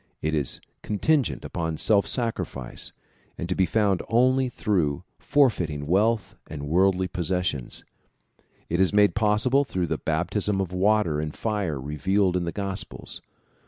It is contingent upon self sacrifice, and to be found only through for feiting wealth and worldly possessions. It is made possible through the baptism of water and fire revealed in the gospels.